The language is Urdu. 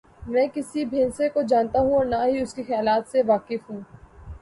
میں کسی بھینسے کو جانتا ہوں اور نہ ہی اس کے خیالات سے واقف ہوں۔